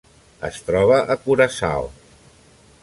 Es troba a Curaçao.